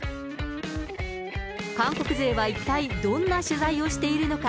韓国勢は一体、どんな取材をしているのか。